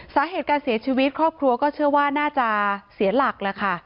สาเหตุการเสียชีวิตครอบครัวก็เชื่อว่าน่าจะเสียหลักแล้วค่ะ